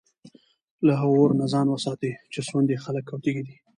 له هغه اور نه ځان وساتئ چي سوند ئې خلك او تيږي دي